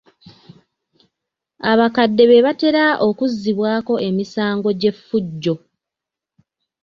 Abakadde be batera okuzzibwako emisango gy'effujjo.